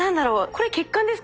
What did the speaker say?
これ血管ですか？